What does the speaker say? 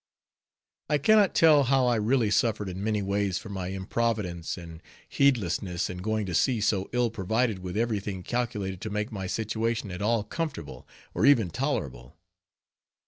I can not tell how I really suffered in many ways for my improvidence and heedlessness, in going to sea so ill provided with every thing calculated to make my situation at all comfortable, or even tolerable.